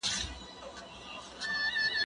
درسونه واوره!؟